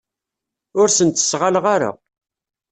Ur sen-ttesɣaleɣ ara.